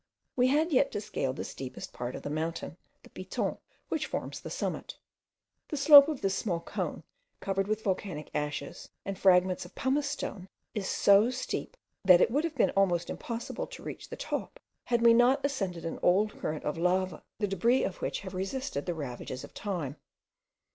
We had yet to scale the steepest part of the mountain, the Piton, which forms the summit. The slope of this small cone, covered with volcanic ashes, and fragments of pumice stone, is so steep, that it would have been almost impossible to reach the top, had we not ascended by an old current of lava, the debris of which have resisted the ravages of time.